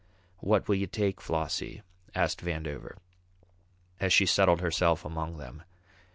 "What will you take, Flossie?" asked Vandover, as she settled herself among them.